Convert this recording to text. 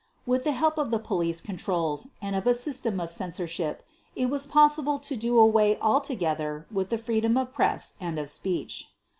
With the help of the police controls and of a system of censorship it was possible to do away altogether with the freedom of press and of speech.